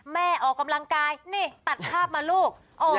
ออกกำลังกายนี่ตัดภาพมาลูก